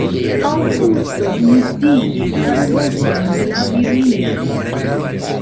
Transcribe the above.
Aŭgusto nudigis la dorsojn de la virinoj.